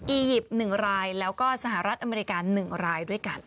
ยิปต์๑รายแล้วก็สหรัฐอเมริกา๑รายด้วยกัน